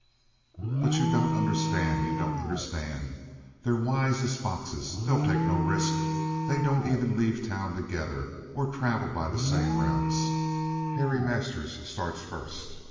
"But you don't understand, you don't understand! They're wise as foxes. They'll take no risk. They don't even leave town together or travel by the same routes. Harry Masters starts first.